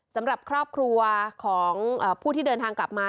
สำหรับครอบครัวของผู้ที่เดินทางกลับมา